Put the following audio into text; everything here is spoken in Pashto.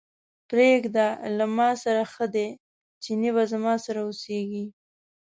پرېږده له ماسره ښه دی، چينی به زما سره اوسېږي.